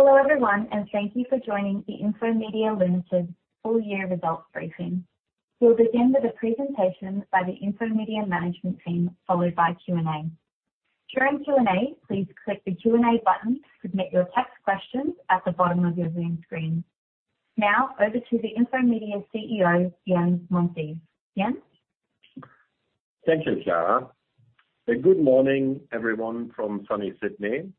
Hello, everyone, and thank you for joining the Infomedia Limited full year results briefing. We'll begin with a presentation by the Infomedia management team, followed by Q&A. During Q&A, please click the Q&A button to submit your text questions at the bottom of your Zoom screen. Now over to the Infomedia CEO, Jens Monsees. Jens? Thank you, Kiara. Good morning, everyone from sunny Sydney,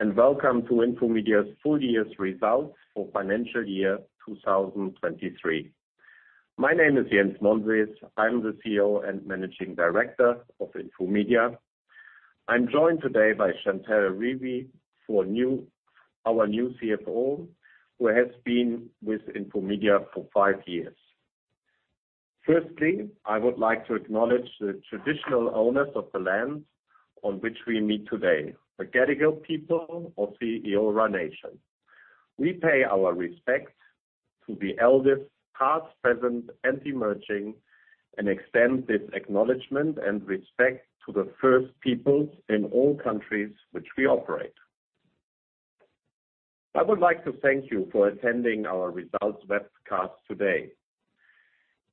and welcome to Infomedia's full year's results for financial year 2023. My name is Jens Monsees. I'm the CEO and Managing Director of Infomedia. I'm joined today by Chantell Revie, our new CFO, who has been with Infomedia for five years. Firstly, I would like to acknowledge the Traditional Owners of the land on which we meet today, the Gadigal people of the Eora Nation. We pay our respects to the elders, past, present, and emerging, and extend this acknowledgment and respect to the First Peoples in all countries which we operate. I would like to thank you for attending our results webcast today.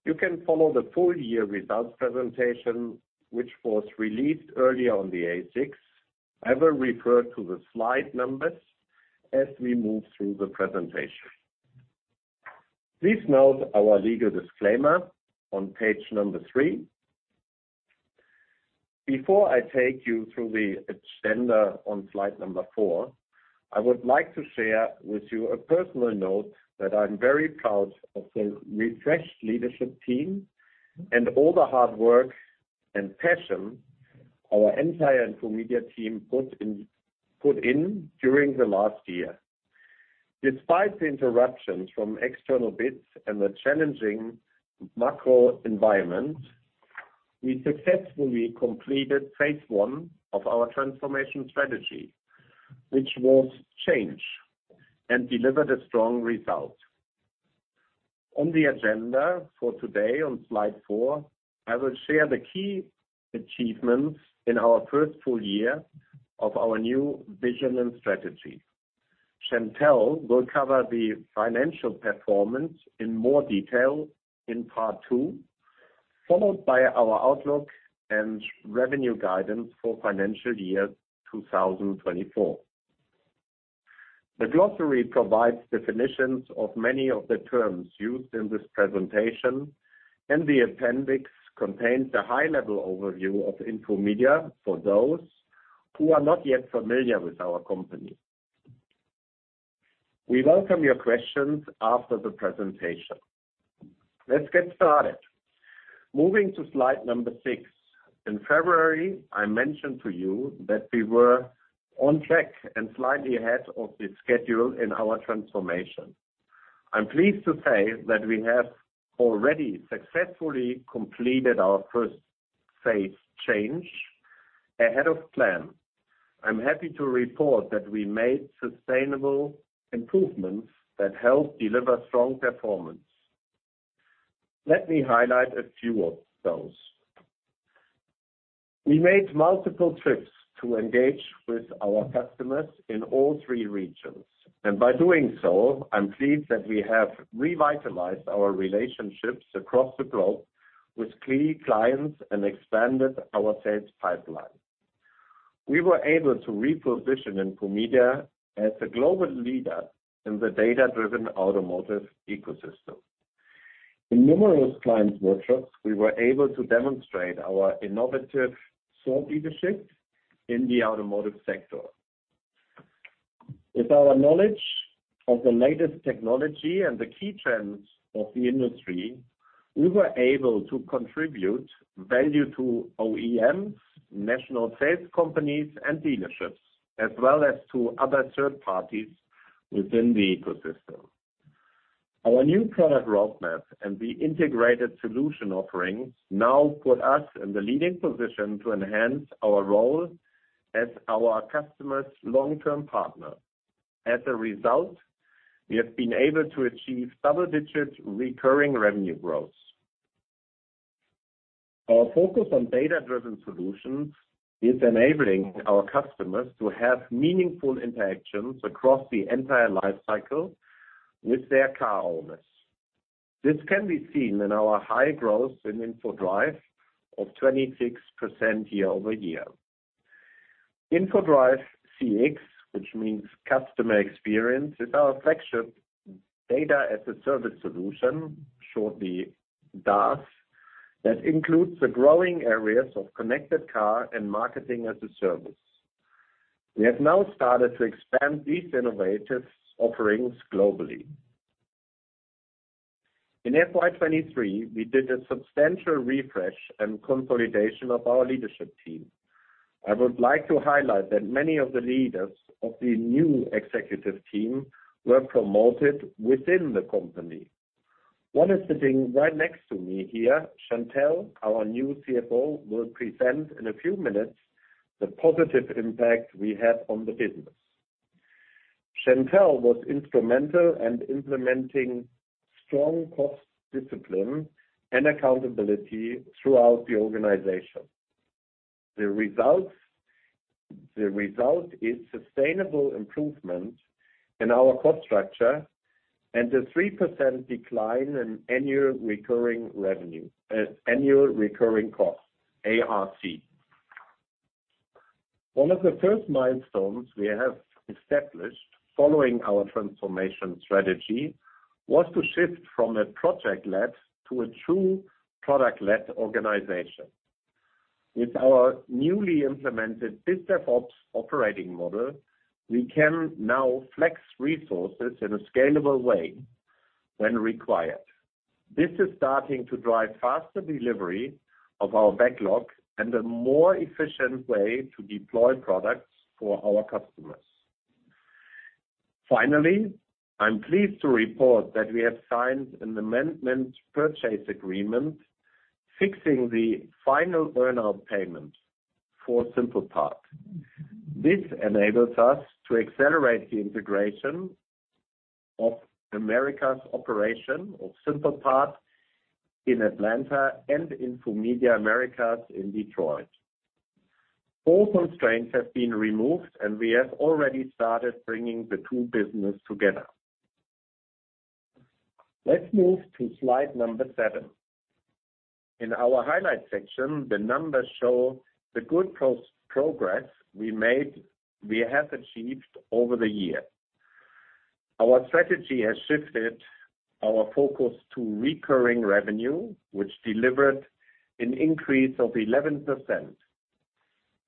You can follow the full year results presentation, which was released earlier on the ASX. I will refer to the slide numbers as we move through the presentation. Please note our legal disclaimer on page 3. Before I take you through the agenda on Slide 4, I would like to share with you a personal note that I'm very proud of the refreshed leadership team and all the hard work and passion our entire Infomedia team put in, put in during the last year. Despite the interruptions from external bids and the challenging macro environment, we successfully completed phase I of our transformation strategy, which was change, and delivered a strong result. On the agenda for today, on Slide 4, I will share the key achievements in our first full year of our new vision and strategy. Chantell will cover the financial performance in more detail in part two, followed by our outlook and revenue guidance for financial year 2024. The glossary provides definitions of many of the terms used in this presentation, and the appendix contains a high-level overview of Infomedia for those who are not yet familiar with our company. We welcome your questions after the presentation. Let's get started. Moving to Slide number 6. In February, I mentioned to you that we were on track and slightly ahead of the schedule in our transformation. I'm pleased to say that we have already successfully completed our first phase change ahead of plan. I'm happy to report that we made sustainable improvements that helped deliver strong performance. Let me highlight a few of those. We made multiple trips to engage with our customers in all three regions, and by doing so, I'm pleased that we have revitalized our relationships across the globe with key clients and expanded our sales pipeline. We were able to reposition Infomedia as a global leader in the data-driven automotive ecosystem. In numerous clients' workshops, we were able to demonstrate our innovative thought leadership in the automotive sector. With our knowledge of the latest technology and the key trends of the industry, we were able to contribute value to OEMs, national sales companies, and dealerships, as well as to other third parties within the ecosystem. Our new product roadmap and the integrated solution offerings now put us in the leading position to enhance our role as our customers' long-term partner. As a result, we have been able to achieve double-digit recurring revenue growth. Our focus on data-driven solutions is enabling our customers to have meaningful interactions across the entire life cycle with their car owners. This can be seen in our high growth in Infodrive of 26% year-over-year. Infodrive CX, which means customer experience, is our flagship Data as a Service solution, shortly, DaaS, that includes the growing areas of connected car and marketing as a service. We have now started to expand these innovative offerings globally. In FY 2023, we did a substantial refresh and consolidation of our leadership team. I would like to highlight that many of the leaders of the new executive team were promoted within the company. One is sitting right next to me here, Chantell, our new CFO, will present in a few minutes the positive impact we had on the business. Chantell was instrumental in implementing strong cost discipline and accountability throughout the organization. The results, the result is sustainable improvement in our cost structure and a 3% decline in annual recurring revenue, annual recurring costs, ARC. One of the first milestones we have established following our transformation strategy was to shift from a project-led to a true product-led organization. With our newly implemented BizDevOps operating model, we can now flex resources in a scalable way when required. This is starting to drive faster delivery of our backlog and a more efficient way to deploy products for our customers. Finally, I'm pleased to report that we have signed an amendment purchase agreement, fixing the final earn-out payment for SimplePart. This enables us to accelerate the integration of Americas operations of SimplePart in Atlanta and Infomedia Americas in Detroit. All constraints have been removed, and we have already started bringing the two businesses together. Let's move to Slide number 7. In our highlight section, the numbers show the good progress we made, we have achieved over the year. Our strategy has shifted our focus to recurring revenue, which delivered an increase of 11%.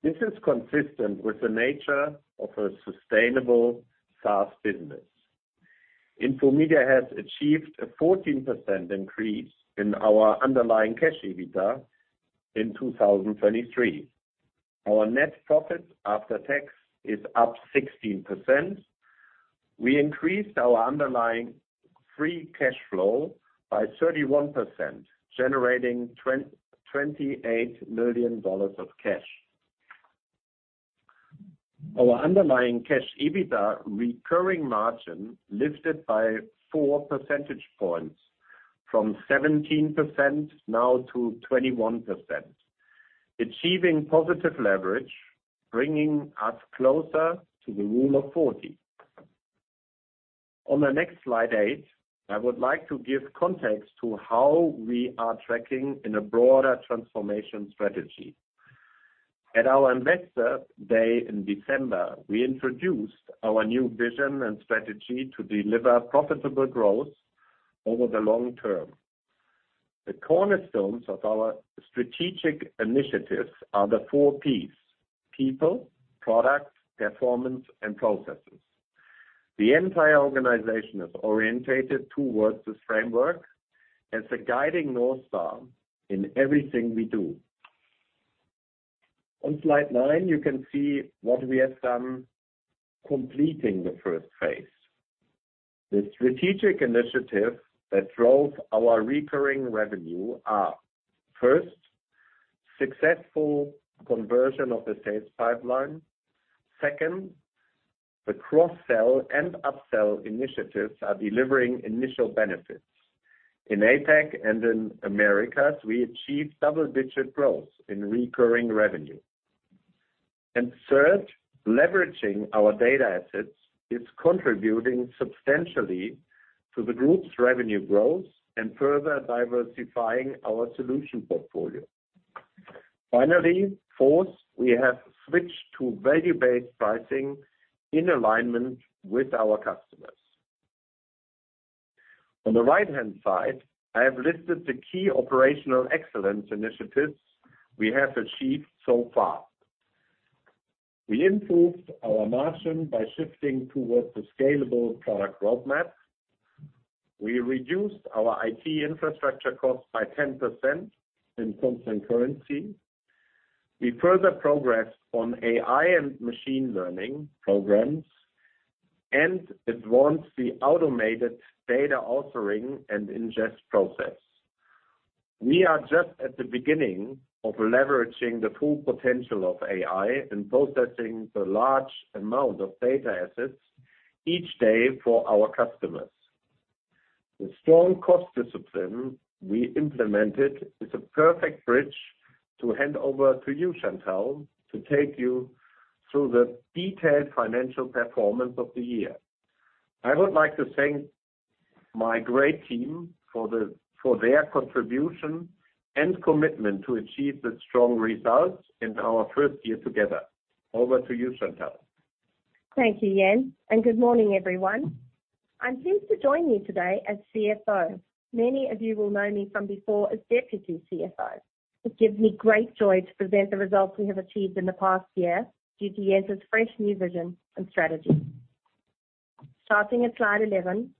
This is consistent with the nature of a sustainable SaaS business. Infomedia has achieved a 14% increase in our underlying cash EBITDA in 2023. Our net profit after tax is up 16%. We increased our underlying free cash flow by 31%, generating AUD 28 million of cash. Our underlying cash EBITDA recurring margin lifted by four percentage points from 17% now to 21%, achieving positive leverage, bringing us closer to the Rule of 40. On the next Slide 8, I would like to give context to how we are tracking in a broader transformation strategy. At our investor day in December, we introduced our new vision and strategy to deliver profitable growth over the long term. The cornerstones of our strategic initiatives are the four Ps: people, products, performance, and processes. The entire organization is oriented towards this framework as a guiding north star in everything we do. On Slide 9, you can see what we have done completing the first phase. The strategic initiative that drove our recurring revenue are, first, successful conversion of the sales pipeline. Second, the cross-sell and upsell initiatives are delivering initial benefits. In APAC and in Americas, we achieved double-digit growth in recurring revenue. Third, leveraging our data assets is contributing substantially to the group's revenue growth and further diversifying our solution portfolio. Finally, fourth, we have switched to value-based pricing in alignment with our customers. On the right-hand side, I have listed the key operational excellence initiatives we have achieved so far. We improved our margin by shifting towards the scalable product roadmap. We reduced our IT infrastructure costs by 10% in constant currency. We further progressed on AI and machine learning programs and advanced the automated data authoring and ingest process. We are just at the beginning of leveraging the full potential of AI and processing the large amount of data assets each day for our customers. The strong cost discipline we implemented is a perfect bridge to hand over to you, Chantell, to take you through the detailed financial performance of the year. I would like to thank my great team for their contribution and commitment to achieve the strong results in our first year together. Over to you, Chantell. Thank you, Jens, and good morning, everyone. I'm pleased to join you today as CFO. Many of you will know me from before as Deputy CFO. It gives me great joy to present the results we have achieved in the past year due to Jens's fresh new vision and strategy. Starting at Slide 11,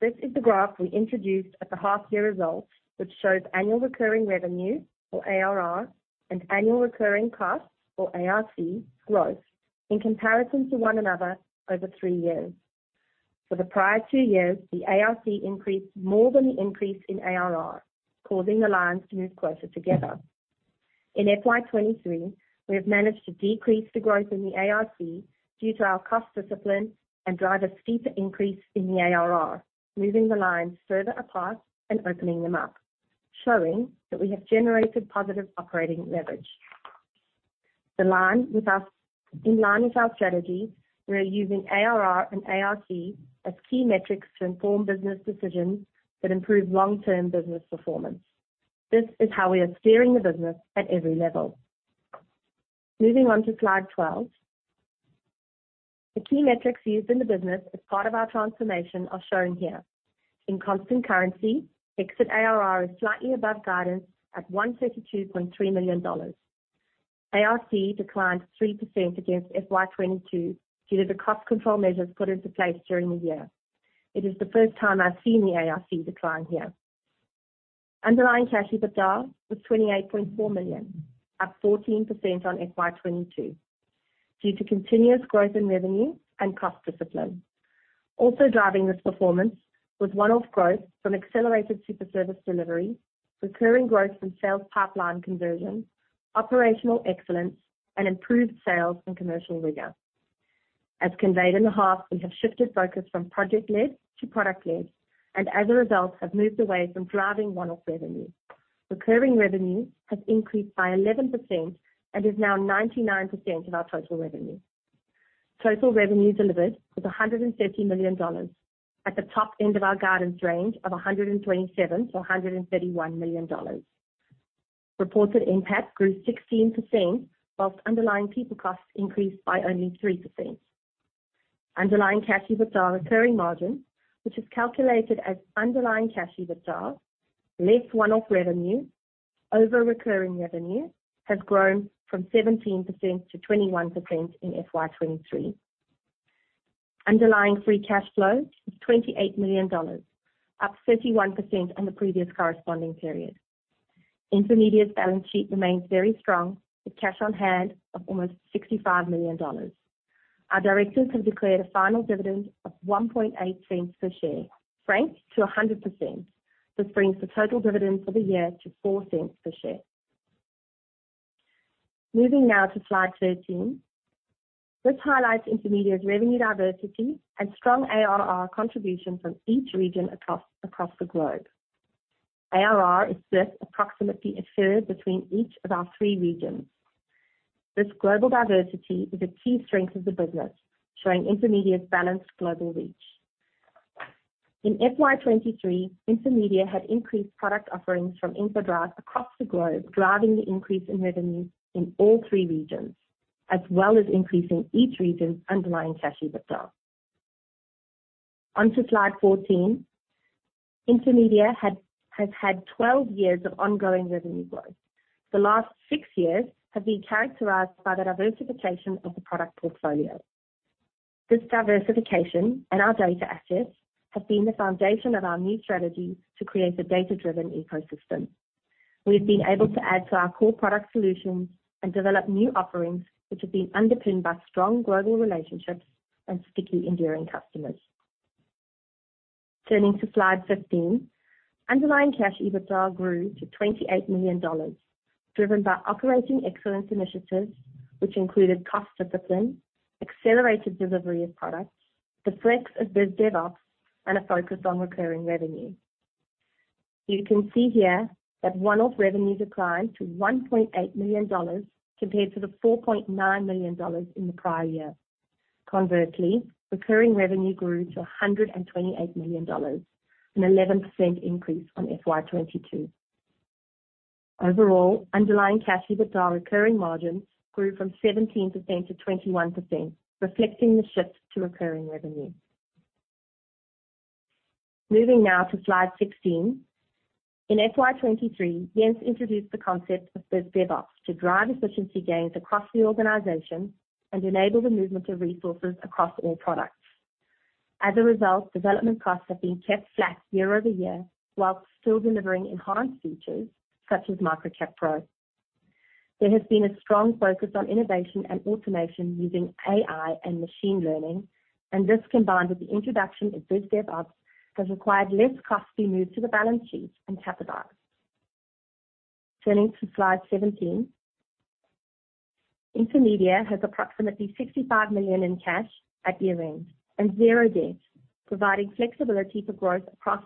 this is the graph we introduced at the half-year results, which shows annual recurring revenue, or ARR, and annual recurring costs, or ARC, growth in comparison to one another over three years. For the prior two years, the ARC increased more than the increase in ARR, causing the lines to move closer together. In FY 2023, we have managed to decrease the growth in the ARC due to our cost discipline and drive a steeper increase in the ARR, moving the lines further apart and opening them up, showing that we have generated positive operating leverage. In line with our strategy, we are using ARR and ARC as key metrics to inform business decisions that improve long-term business performance. This is how we are steering the business at every level. Moving on to Slide 12. The key metrics used in the business as part of our transformation are shown here. In constant currency, exit ARR is slightly above guidance at 132.3 million dollars. ARC declined 3% against FY 2022 due to the cost control measures put into place during the year. It is the first time I've seen the ARC decline here. Underlying cash EBITDA was 28.4 million, up 14% on FY 2022, due to continuous growth in revenue and cost discipline. Also driving this performance was one-off growth from accelerated Superservice delivery, recurring growth from sales pipeline conversion, operational excellence, and improved sales and commercial rigor. As conveyed in the half, we have shifted focus from project-led to product-led, and as a result, have moved away from driving one-off revenue. Recurring revenue has increased by 11% and is now 99% of our total revenue. Total revenue delivered was 130 million dollars, at the top end of our guidance range of 127 million-131 million dollars. Reported EBITDA grew 16%, while underlying people costs increased by only 3%. Underlying cash EBITDA recurring margin, which is calculated as underlying cash EBITDA, less one-off revenue over recurring revenue, has grown from 17%-21% in FY 2023. Underlying free cash flow is 28 million dollars, up 31% on the previous corresponding period. Infomedia's balance sheet remains very strong, with cash on hand of almost 65 million dollars. Our directors have declared a final dividend of 0.018 per share, franked to 100%. This brings the total dividend for the year to 0.04 per share. Moving now to Slide 13. This highlights Infomedia's revenue diversity and strong ARR contribution from each region across the globe. ARR is split approximately a third between each of our three regions. This global diversity is a key strength of the business, showing Infomedia's balanced global reach. In FY 2023, Infomedia had increased product offerings from Infodrive across the globe, driving the increase in revenue in all three regions, as well as increasing each region's underlying cash EBITDA. Onto Slide 14. Infomedia has had 12 years of ongoing revenue growth. The last six years have been characterized by the diversification of the product portfolio. This diversification and our data assets have been the foundation of our new strategy to create a data-driven ecosystem. We've been able to add to our core product solutions and develop new offerings, which have been underpinned by strong global relationships and sticky, enduring customers. Turning to Slide 15. Underlying cash EBITDA grew to 28 million dollars, driven by operating excellence initiatives, which included cost discipline, accelerated delivery of products, the flex of BizDevOps, and a focus on recurring revenue. You can see here that one-off revenue declined to 1.8 million dollars compared to the 4.9 million dollars in the prior year. Conversely, recurring revenue grew to 128 million dollars, an 11% increase on FY 2022. Overall, underlying cash EBITDA recurring margins grew from 17%-21%, reflecting the shift to recurring revenue. Moving now to Slide 16. In FY 2023, Jens introduced the concept of BizDevOps to drive efficiency gains across the organization and enable the movement of resources across all products. As a result, development costs have been kept flat year-over-year, while still delivering enhanced features such as Microcat Pro. There has been a strong focus on innovation and automation using AI and machine learning, and this, combined with the introduction of BizDevOps, has required less costs to be moved to the balance sheet and capitalized. Turning to Slide 17. Infomedia has approximately 65 million in cash at year-end, and 0 debt, providing flexibility for growth across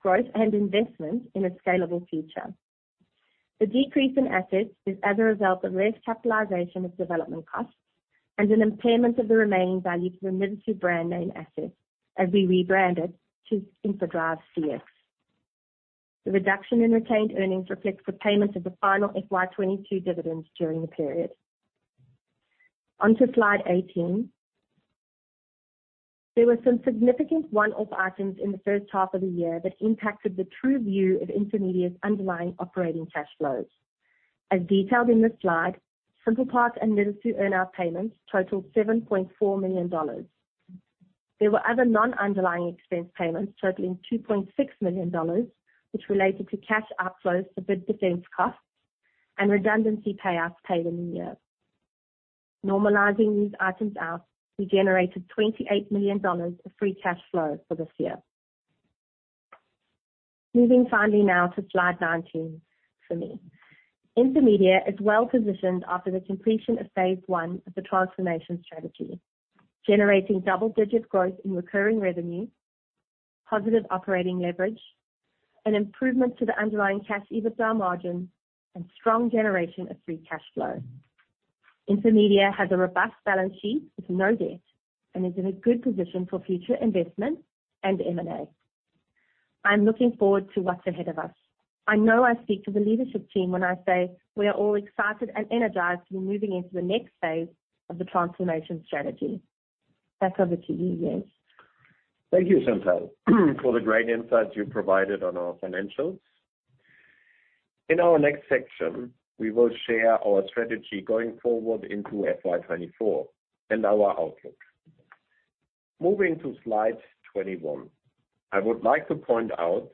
growth and investment in a scalable future. The decrease in assets is as a result of less capitalization of development costs and an impairment of the remaining value to the Nidasu brand name assets, as we rebranded to Infodrive CX. The reduction in retained earnings reflects the payment of the final FY 2022 dividends during the period. Onto Slide 18. There were some significant one-off items in the first half of the year that impacted the true view of Infomedia's underlying operating cash flows. As detailed in this slide, SimplePart and Nidasu earn-out payments totaled 7.4 million dollars. There were other non-underlying expense payments totaling 2.6 million dollars, which related to cash outflows for bid defense costs and redundancy payoffs paid in the year. Normalizing these items out, we generated 28 million dollars of free cash flow for this year. Moving finally now to Slide 19, for me. Infomedia is well-positioned after the completion of phase I of the transformation strategy, generating double-digit growth in recurring revenue, positive operating leverage, an improvement to the underlying cash EBITDA margin, and strong generation of free cash flow. Infomedia has a robust balance sheet with no debt and is in a good position for future investment and M&A. I'm looking forward to what's ahead of us. I know I speak to the leadership team when I say we are all excited and energized to be moving into the next phase of the transformation strategy. Back over to you, Jens. Thank you, Chantell, for the great insights you provided on our financials. In our next section, we will share our strategy going forward into FY 2024 and our outlook. Moving to Slide 21, I would like to point out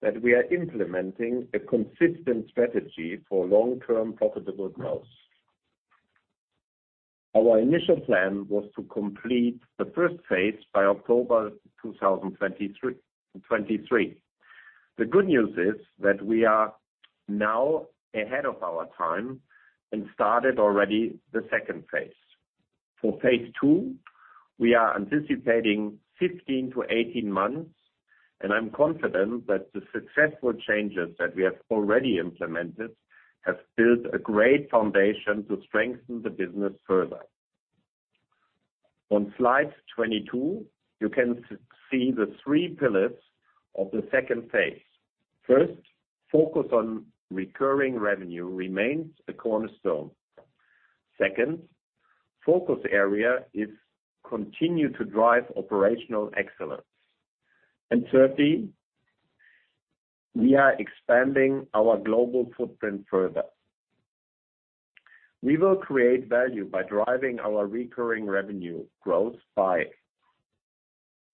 that we are implementing a consistent strategy for long-term profitable growth. Our initial plan was to complete the first phase by October 2023. The good news is that we are now ahead of our time and started already the second phase. For phase II, we are anticipating 15-18 months, and I'm confident that the successful changes that we have already implemented have built a great foundation to strengthen the business further. On Slide 22, you can see the three pillars of the second phase. First, focus on recurring revenue remains a cornerstone. Second, focus area is continue to drive operational excellence. Thirdly, we are expanding our global footprint further. We will create value by driving our recurring revenue growth by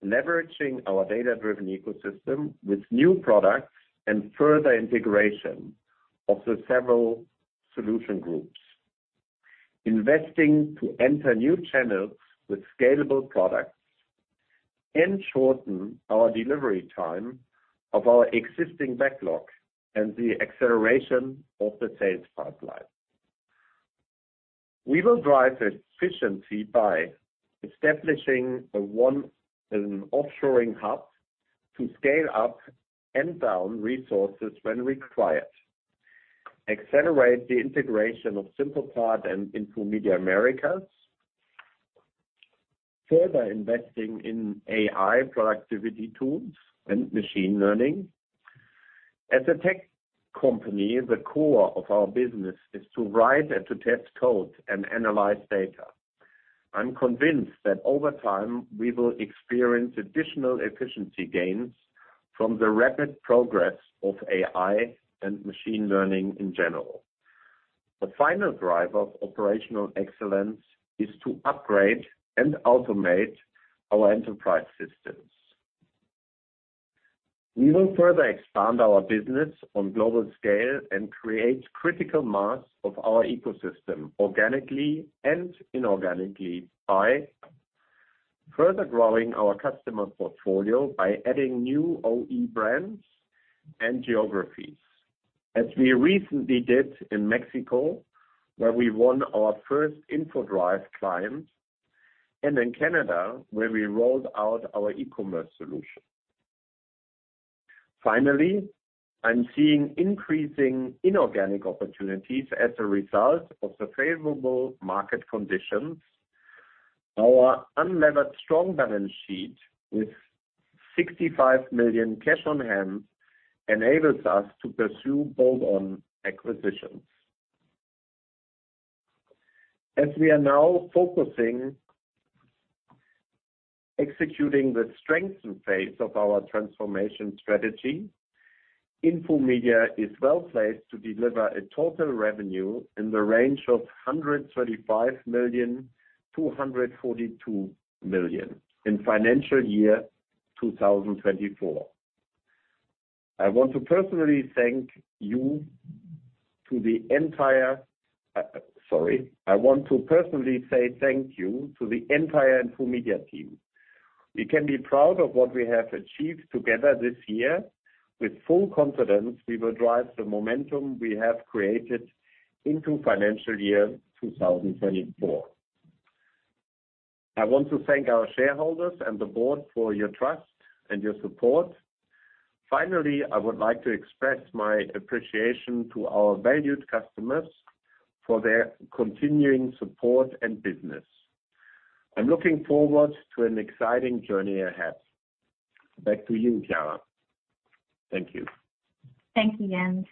leveraging our data-driven ecosystem with new products and further integration of the several solution groups, investing to enter new channels with scalable products, and shorten our delivery time of our existing backlog and the acceleration of the sales pipeline. We will drive efficiency by establishing an offshoring hub to scale up and down resources when required, accelerate the integration of SimplePart and Infomedia Americas, further investing in AI productivity tools and machine learning. As a tech company, the core of our business is to write and to test code and analyze data. I'm convinced that over time, we will experience additional efficiency gains from the rapid progress of AI and machine learning in general. The final driver of operational excellence is to upgrade and automate our enterprise systems. We will further expand our business on global scale and create critical mass of our ecosystem, organically and inorganically, by further growing our customer portfolio by adding new OE brands and geographies, as we recently did in Mexico, where we won our first Infodrive client, and in Canada, where we rolled out our e-commerce solution. Finally, I'm seeing increasing inorganic opportunities as a result of the favorable market conditions. Our unlevered strong balance sheet, with 65 million cash on hand, enables us to pursue bolt-on acquisitions. As we are now focusing, executing the strength and phase of our transformation strategy, Infomedia is well-placed to deliver a total revenue in the range of 135 million-242 million in financial year 2024. I want to personally say thank you to the entire Infomedia team. We can be proud of what we have achieved together this year. With full confidence, we will drive the momentum we have created into financial year 2024. I want to thank our shareholders and the board for your trust and your support. Finally, I would like to express my appreciation to our valued customers for their continuing support and business. I'm looking forward to an exciting journey ahead. Back to you, Kiara. Thank you. Thank you, Jens.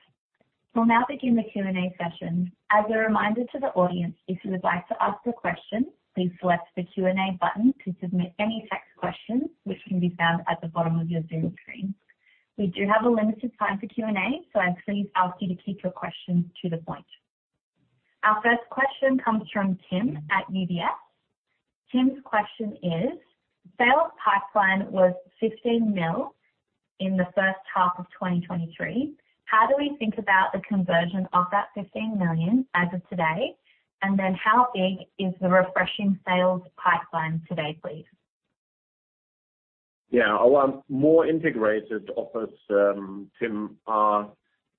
We'll now begin the Q&A session. As a reminder to the audience, if you would like to ask a question, please select the Q&A button to submit any text questions, which can be found at the bottom of your Zoom screen. We do have a limited time for Q&A, so I'd please ask you to keep your questions to the point. Our first question comes from Tim at UBS. Tim's question is: Sales pipeline was 15 million in the first half of 2023. How do we think about the conversion of that 15 million as of today? And then, how big is the refreshing sales pipeline today, please? Yeah, our more integrated offers, Tim, are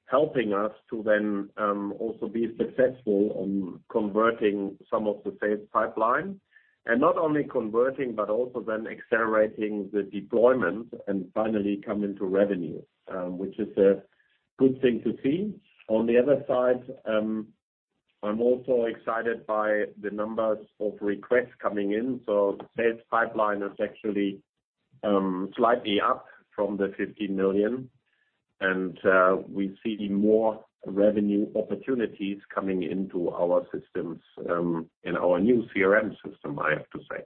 helping us to then also be successful on converting some of the sales pipeline. And not only converting, but also then accelerating the deployment and finally come into revenue, which is a good thing to see. On the other side, I'm also excited by the numbers of requests coming in, so the sales pipeline is actually slightly up from the 50 million, and we see more revenue opportunities coming into our systems in our new CRM system, I have to say.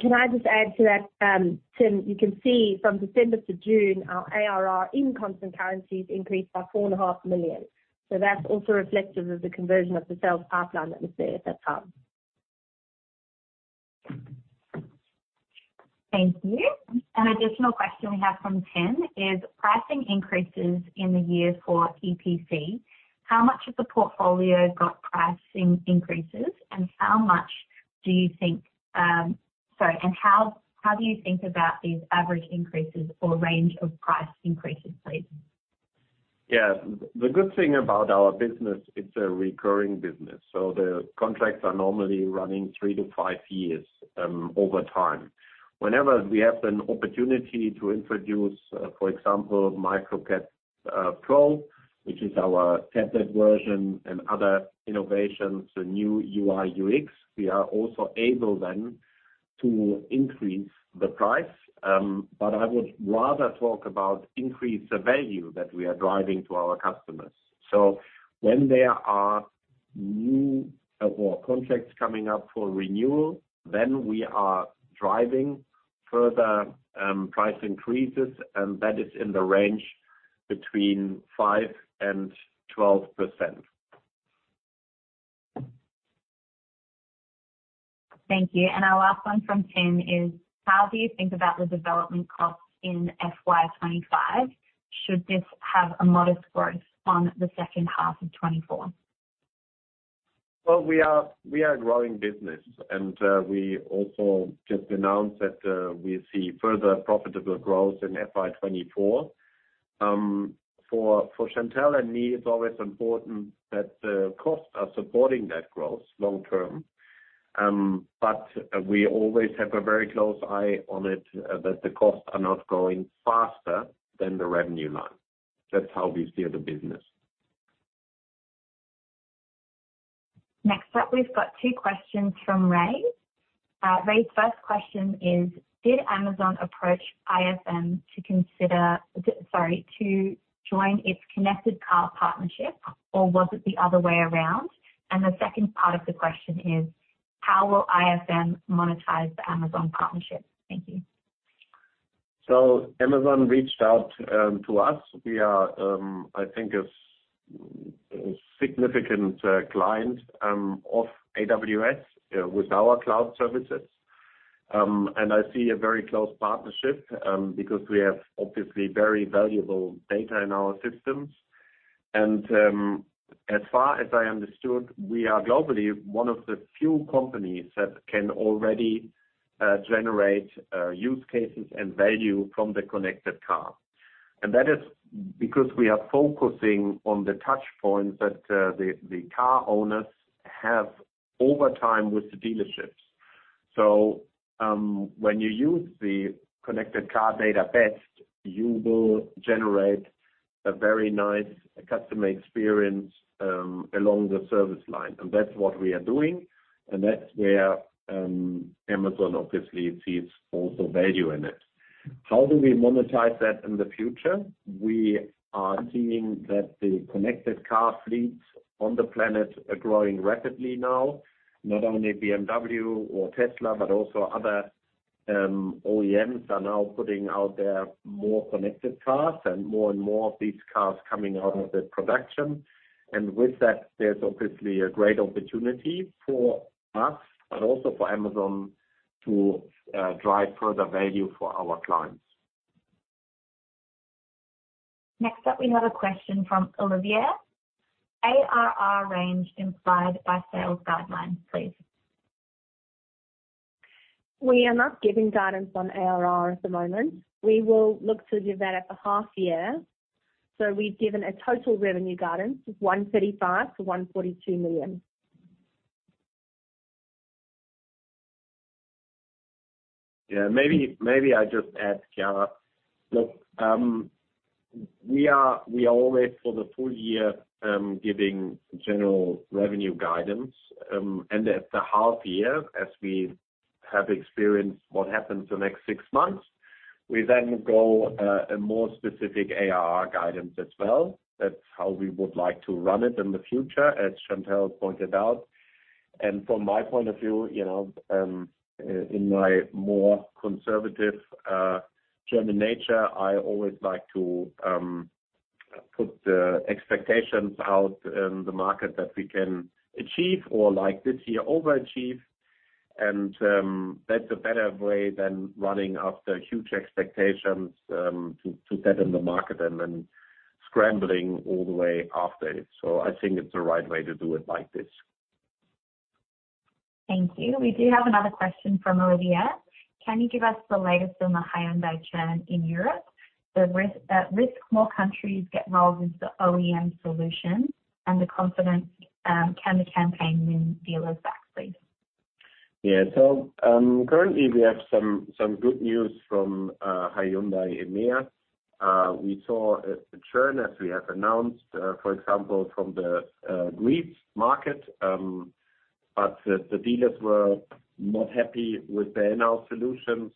Can I just add to that, Tim, you can see from December to June, our ARR in constant currencies increased by 4.5 million. So that's also reflective of the conversion of the sales pipeline that was there at that time. Thank you. An additional question we have from Tim is: pricing increases in the year for EPC, how much of the portfolio got pricing increases? And how much do you think? Sorry, and how do you think about these average increases or range of price increases, please? Yeah. The good thing about our business, it's a recurring business, so the contracts are normally running three to five years, over time. Whenever we have an opportunity to introduce, for example, Microcat Pro, which is our tablet version and other innovations, the new UI, UX, we are also able then to increase the price. But I would rather talk about increase the value that we are driving to our customers. So when there are new, or contracts coming up for renewal, then we are driving further, price increases, and that is in the range between 5% and 12%. Thank you. Our last one from Tim is: How do you think about the development costs in FY 2025? Should this have a modest growth on the second half of 2024? Well, we are, we are a growing business, and we also just announced that we see further profitable growth in FY 2024. For Chantell and me, it's always important that the costs are supporting that growth long term. But we always have a very close eye on it, that the costs are not growing faster than the revenue line. That's how we steer the business. Next up, we've got two questions from Ray. Ray's first question is: Did Amazon approach IFM to consider, sorry, to join its connected car partnership, or was it the other way around? And the second part of the question is: How will IFM monetize the Amazon partnership? Thank you. So Amazon reached out to us. We are, I think, a significant client of AWS with our cloud services. I see a very close partnership because we have obviously very valuable data in our systems. As far as I understood, we are globally one of the few companies that can already generate use cases and value from the connected car. That is because we are focusing on the touch points that the car owners have over time with the dealerships. So when you use the connected car data best, you will generate a very nice customer experience along the service line, and that's what we are doing, and that's where Amazon obviously sees also value in it. How do we monetize that in the future? We are seeing that the connected car fleets on the planet are growing rapidly now. Not only BMW or Tesla, but also other, OEMs are now putting out their more connected cars, and more and more of these cars coming out of the production. And with that, there's obviously a great opportunity for us, but also for Amazon, to drive further value for our clients. Next up, we have a question from Olivia. ARR range implied by sales guidelines, please. We are not giving guidance on ARR at the moment. We will look to do that at the half year. So we've given a total revenue guidance of 135 million-142 million. Yeah, maybe, maybe I just add, Kiara. Look, we are, we are always for the full year, giving general revenue guidance, and at the half year, as we have experienced what happens the next six months, we then go, a more specific ARR guidance as well. That's how we would like to run it in the future, as Chantell pointed out. And from my point of view, you know, in my more conservative, German nature, I always like to, put the expectations out in the market that we can achieve or like this year, overachieve. And, that's a better way than running after huge expectations, to, to set in the market and then scrambling all the way after it. So I think it's the right way to do it like this.... Thank you. We do have another question from Olivia. Can you give us the latest on the Hyundai churn in Europe? The risk, at risk more countries get involved with the OEM solution and the confidence, can the campaign win dealers back, please? Yeah. Currently, we have some good news from Hyundai EMEA. We saw a churn, as we have announced, for example, from the Greece market, but the dealers were not happy with the in-house solution.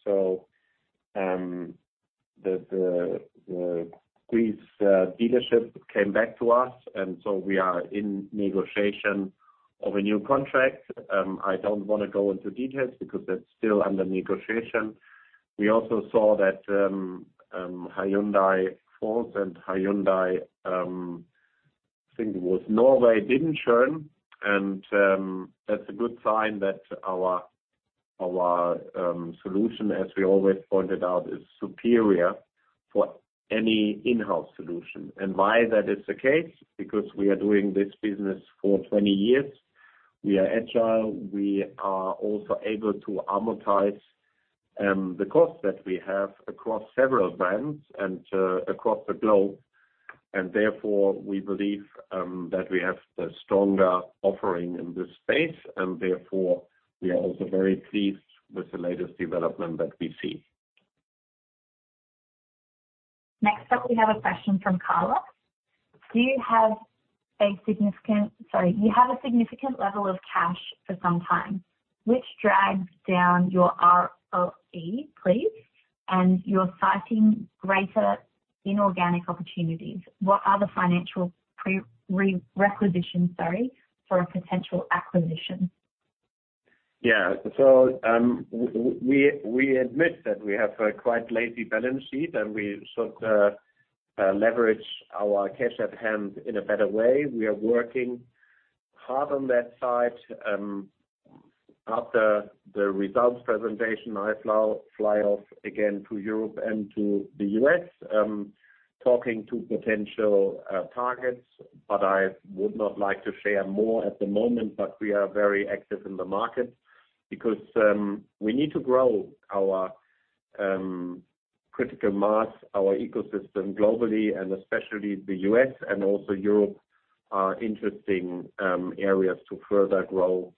The Greece dealership came back to us, and so we are in negotiation of a new contract. I don't want to go into details because that's still under negotiation. We also saw that Hyundai Finland and Hyundai, I think it was Norway, didn't churn. That's a good sign that our solution, as we always pointed out, is superior for any in-house solution. Why that is the case? Because we are doing this business for 20 years. We are agile, we are also able to amortize the costs that we have across several brands and across the globe, and therefore, we believe that we have the stronger offering in this space, and therefore, we are also very pleased with the latest development that we see. Next up, we have a question from Carla. Do you have a significant... Sorry, you have a significant level of cash for some time, which drags down your ROE, please, and you're citing greater inorganic opportunities. What are the financial prerequisites, sorry, for a potential acquisition? Yeah. So, we admit that we have a quite lazy balance sheet, and we should leverage our cash at hand in a better way. We are working hard on that side. After the results presentation, I fly off again to Europe and to the U.S., talking to potential targets, but I would not like to share more at the moment, but we are very active in the market because we need to grow our critical mass, our ecosystem globally, and especially the U.S. and also Europe, are interesting areas to further grow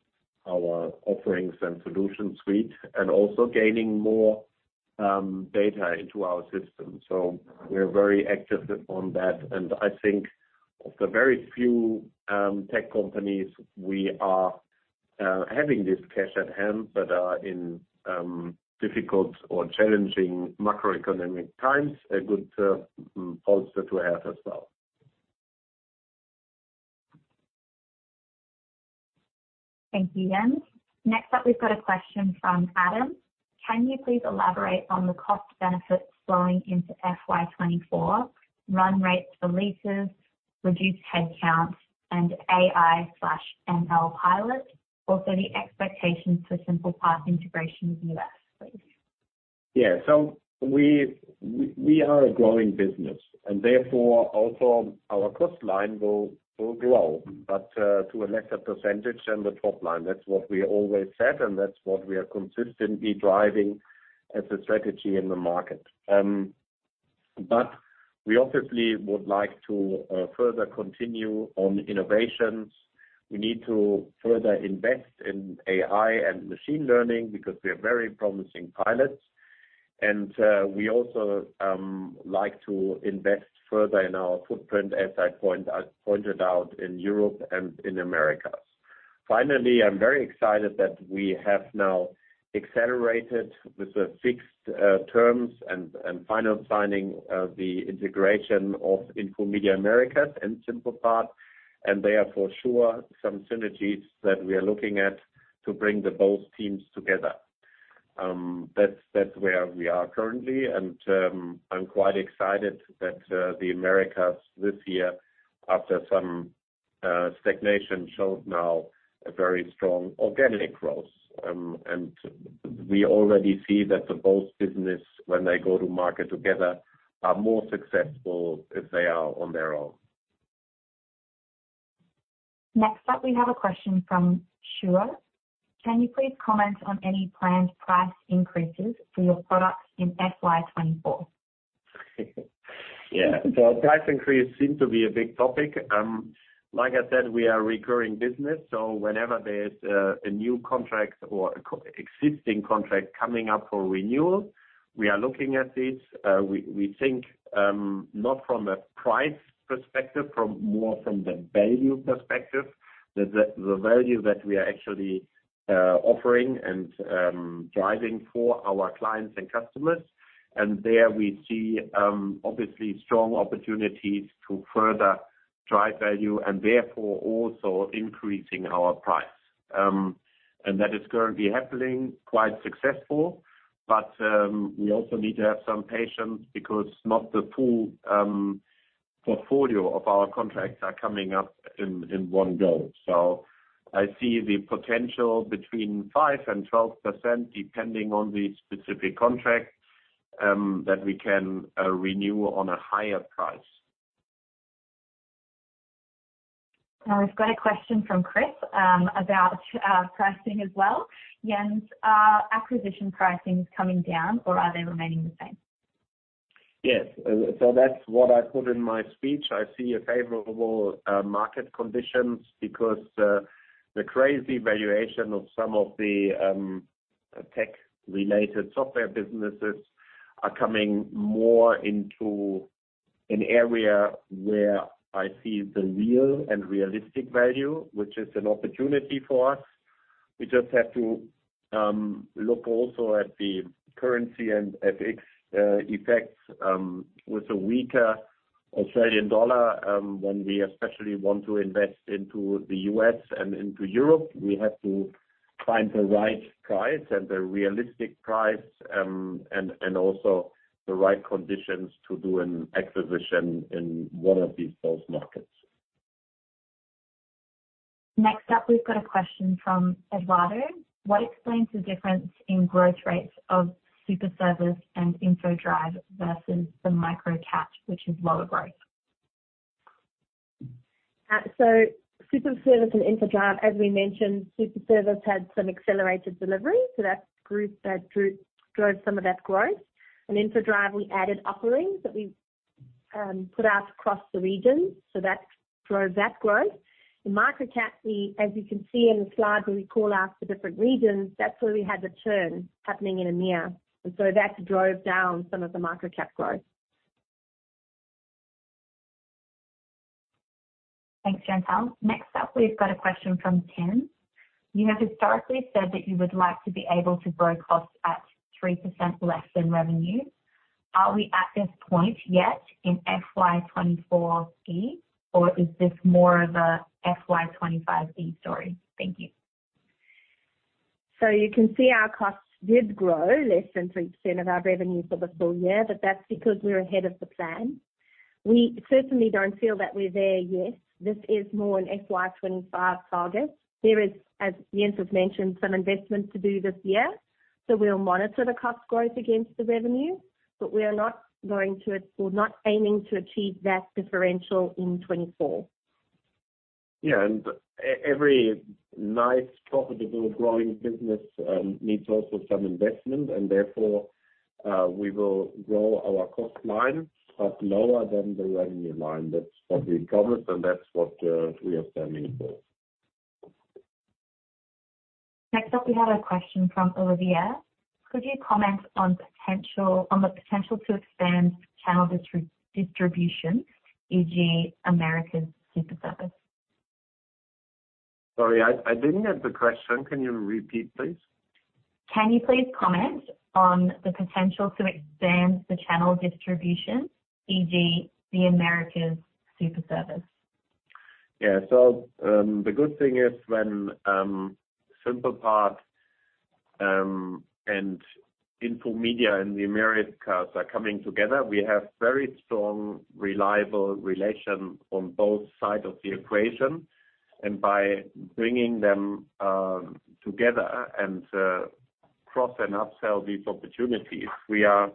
our offerings and solution suite, and also gaining more data into our system. We're very active on that, and I think of the very few tech companies we are having this cash at hand, but in difficult or challenging macroeconomic times, a good bolster to have as well. Thank you, Jens. Next up, we've got a question from Adam. Can you please elaborate on the cost benefits flowing into FY 2024, run rates for leases, reduced headcount, and AI/ML pilot, also the expectations for SimplePart integration with U.S., please? Yeah. So we are a growing business, and therefore, also our cost line will grow, but to a lesser percentage than the top line. That's what we always said, and that's what we are consistently driving as a strategy in the market. But we obviously would like to further continue on innovations. We need to further invest in AI and machine learning because we are very promising pilots. And we also like to invest further in our footprint, as I pointed out in Europe and in Americas. Finally, I'm very excited that we have now accelerated with the fixed terms and final signing of the integration of Infomedia Americas and SimplePart, and they are for sure some synergies that we are looking at to bring the both teams together. That's where we are currently, and I'm quite excited that the Americas this year, after some stagnation, showed now a very strong organic growth. And we already see that the both business, when they go to market together, are more successful as they are on their own. Next up, we have a question from Shura. Can you please comment on any planned price increases for your products in FY 2024? Yeah. So price increase seem to be a big topic. Like I said, we are recurring business, so whenever there's a new contract or co-existing contract coming up for renewal, we are looking at it. We think, not from a price perspective, from more from the value perspective. The value that we are actually offering and driving for our clients and customers. And there we see, obviously, strong opportunities to further drive value, and therefore, also increasing our price. And that is currently happening quite successful, but we also need to have some patience because not the full portfolio of our contracts are coming up in one go. So I see the potential between 5% and 12%, depending on the specific contract, that we can renew on a higher price. Now we've got a question from Chris, about pricing as well. Jens, are acquisition pricings coming down or are they remaining the same? Yes, so that's what I put in my speech. I see a favorable, market conditions because, the crazy valuation of some of the, tech-related software businesses are coming more into an area where I see the real and realistic value, which is an opportunity for us. We just have to, look also at the currency and FX, effects, with a weaker Australian dollar, when we especially want to invest into the U.S. and into Europe, we have to find the right price and the realistic price, and, and also the right conditions to do an acquisition in one of these, those markets. Next up, we've got a question from Eduardo: What explains the difference in growth rates of Superservice and Infodrive versus the Microcat, which is lower growth? So Superservice and Infodrive, as we mentioned, Superservice had some accelerated delivery, so that group, that group drove some of that growth. And Infodrive, we added offerings that we put out across the region, so that drove that growth. In Microcat, we, as you can see in the slide, when we call out the different regions, that's where we had the churn happening in EMEA, and so that drove down some of the Microcat growth. Thanks, Chantell. Next up, we've got a question from Tim. You have historically said that you would like to be able to grow costs at 3% less than revenue. Are we at this point yet in FY 2024E, or is this more of a FY 2025E story? Thank you. So you can see our costs did grow less than 3% of our revenues for the full year, but that's because we're ahead of the plan. We certainly don't feel that we're there yet. This is more an FY 2025 target. There is, as Jens has mentioned, some investments to do this year, so we'll monitor the cost growth against the revenue, but we're not aiming to achieve that differential in 2024. Yeah, and every nice, profitable, growing business needs also some investment, and therefore, we will grow our cost line, but lower than the revenue line. That's what we covered, and that's what we are planning for. Next up, we have a question from Olivia. Could you comment on the potential to expand channel distribution, e.g., Americas Superservice? Sorry, I didn't get the question. Can you repeat, please? Can you please comment on the potential to expand the channel distribution, e.g., the Americas Superservice? Yeah. So, the good thing is when SimplePart and Infomedia and the Americas are coming together, we have very strong, reliable relations on both sides of the equation. And by bringing them together and cross and upsell these opportunities, we are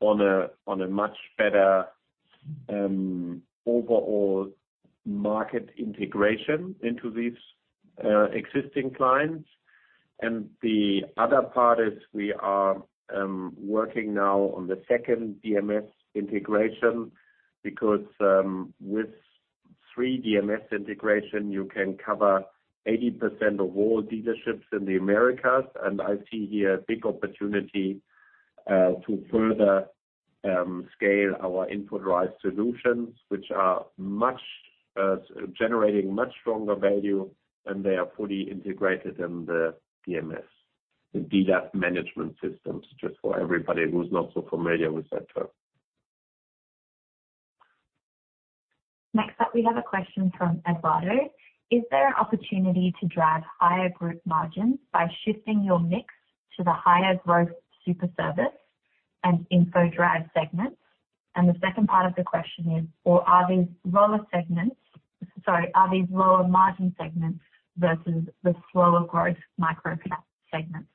on a, on a much better overall market integration into these existing clients. And the other part is we are working now on the second DMS integration, because with three DMS integration, you can cover 80% of all dealerships in the Americas. And I see here a big opportunity to further scale our Infodrive solutions, which are much generating much stronger value, and they are fully integrated in the DMS, the dealer management systems, just for everybody who's not so familiar with that term. Next up, we have a question from Eduardo: Is there an opportunity to drive higher group margins by shifting your mix to the higher growth Superservice and Infodrive segments? And the second part of the question is, or are these lower segments—Sorry, are these lower margin segments versus the slower growth Microcat segments?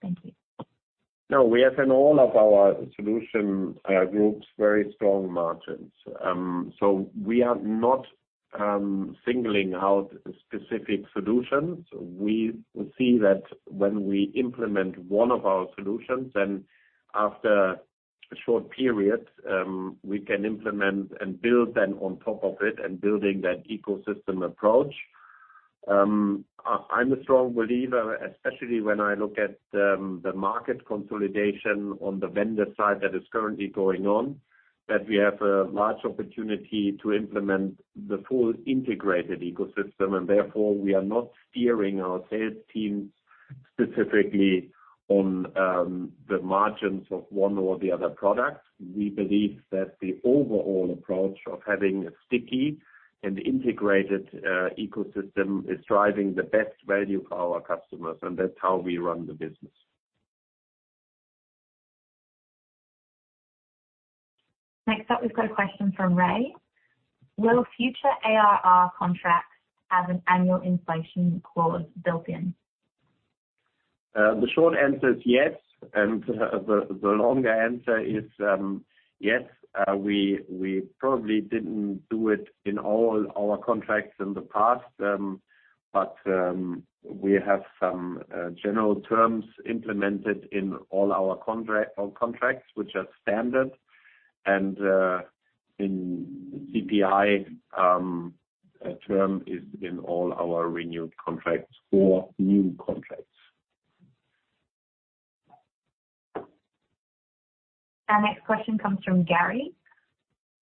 Thank you. No, we have in all of our solution groups, very strong margins. So we are not singling out specific solutions. We see that when we implement one of our solutions, then after a short period, we can implement and build then on top of it and building that ecosystem approach. I'm a strong believer, especially when I look at the market consolidation on the vendor side that is currently going on, that we have a large opportunity to implement the full integrated ecosystem, and therefore, we are not steering our sales teams specifically on the margins of one or the other product. We believe that the overall approach of having a sticky and integrated ecosystem is driving the best value for our customers, and that's how we run the business. Next up, we've got a question from Ray: Will future ARR contracts have an annual inflation clause built in?... The short answer is yes, and the longer answer is yes, we probably didn't do it in all our contracts in the past, but we have some general terms implemented in all our contracts, which are standard. And in CPI, a term is in all our renewed contracts or new contracts. Our next question comes from Gary: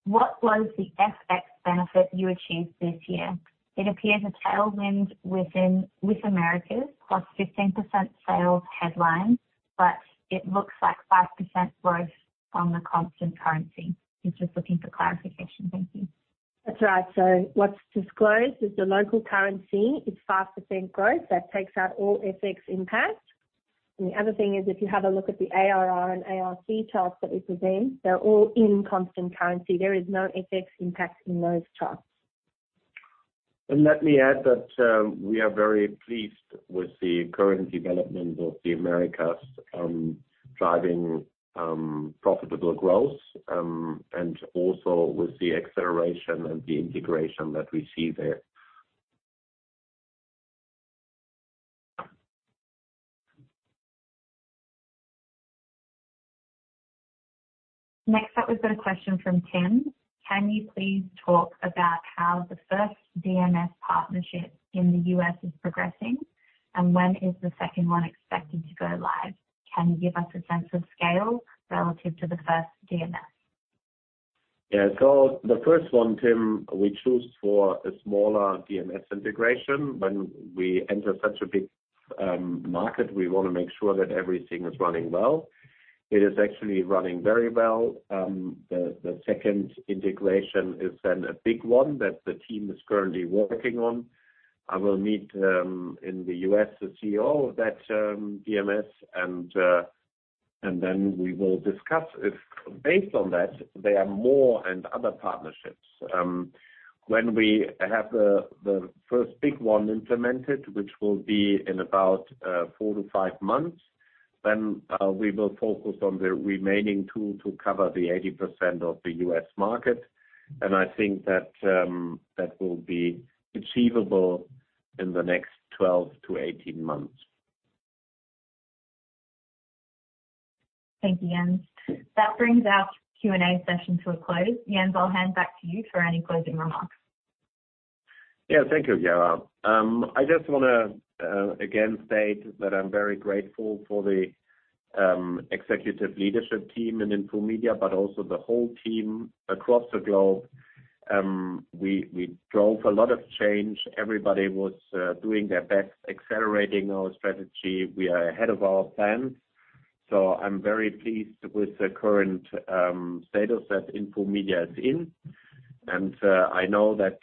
What was the FX benefit you achieved this year? It appears a tailwind with Americas, plus 15% sales headline, but it looks like 5% growth on the constant currency. He's just looking for clarification. Thank you. That's right. So what's disclosed is the local currency is 5% growth. That takes out all FX impact. And the other thing is, if you have a look at the ARR and ARC charts that we present, they're all in constant currency. There is no FX impact in those charts. Let me add that we are very pleased with the current development of the Americas, driving profitable gross, and also with the acceleration and the integration that we see there. Next up, we've got a question from Tim: Can you please talk about how the first DMS partnership in the U.S. is progressing, and when is the second one expected to go live? Can you give us a sense of scale relative to the first DMS? Yeah. So the first one, Tim, we choose for a smaller DMS integration. When we enter such a big market, we want to make sure that everything is running well. It is actually running very well. The second integration is then a big one that the team is currently working on. I will meet in the U.S., the CEO of that DMS, and then we will discuss if, based on that, there are more and other partnerships. When we have the first big one implemented, which will be in about four to five months, then we will focus on the remaining two to cover the 80% of the U.S. market. And I think that that will be achievable in the next 12-18 months. Thank you, Jens. That brings our Q&A session to a close. Jens, I'll hand back to you for any closing remarks. Yeah, thank you, Kiara. I just wanna again state that I'm very grateful for the executive leadership team in Infomedia, but also the whole team across the globe. We drove a lot of change. Everybody was doing their best, accelerating our strategy. We are ahead of our plan, so I'm very pleased with the current status that Infomedia is in. And I know that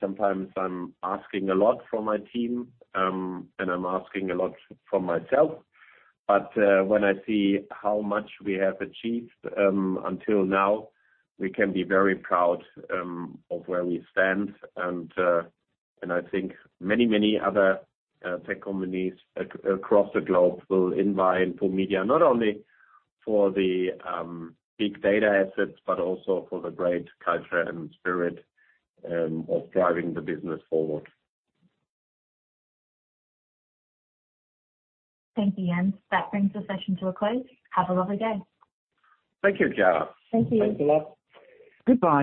sometimes I'm asking a lot from my team, and I'm asking a lot from myself, but when I see how much we have achieved until now, we can be very proud of where we stand. I think many, many other tech companies across the globe will invite Infomedia, not only for the big data assets, but also for the great culture and spirit of driving the business forward. Thank you, Jens. That brings the session to a close. Have a lovely day. Thank you, Kiara. Thank you. Thanks a lot. Goodbye.